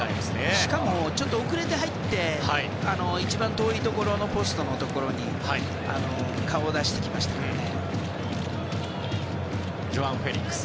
しかもちょっと遅れて入って一番遠いところのポストのところに顔を出してきましたからね。